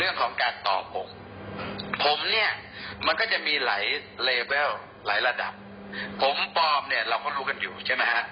เรื่องของการต่อผมผมเนี่ยมันก็จะมีหลายเลเวลหลายระดับผมปลอมเนี่ยเราก็รู้กันอยู่ใช่ไหมฮะ